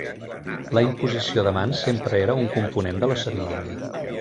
La imposició de mans sempre era un component de la cerimònia.